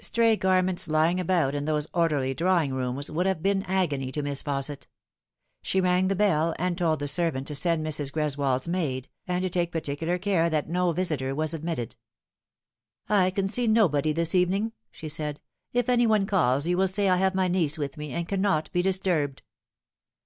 Stray garments lying about in those orderly drawing rooms would have been agony to Miss Fausset. She rang the bell, and told the servant to send Mrs. Greswold's maid, and to take particular care that no visitor was admitted. " I can see nobody this evening," she said. '' If any one calls you will say I have my niece with me, and cannot be disturbed."